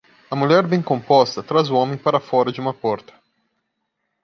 A mulher bem composta traz o homem para fora de uma porta.